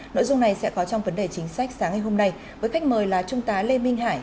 nội dung này sẽ có trong vấn đề chính sách sáng ngày hôm nay với khách mời là trung tá lê minh hải